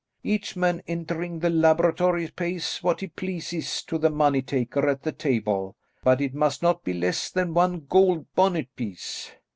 Each man entering the laboratory pays what he pleases to the money taker at the table, but it must not be less than one gold bonnet piece.